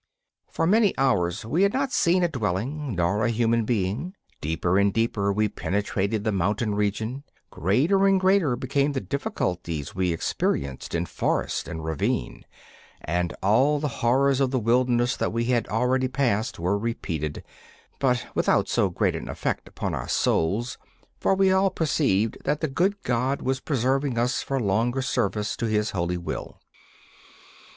For many hours we had not seen a dwelling nor a human being. Deeper and deeper we penetrated the mountain region; greater and greater became the difficulties we experienced in forest and ravine, and all the horrors of the wilderness that we had already passed were repeated, but without so great an effect upon our souls, for we all perceived that the good God was preserving us for longer service to His holy will.